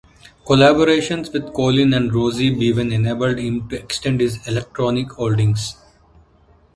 Collaborations with Colin and Rosie Bevan enabled him to extend his electronic holdings.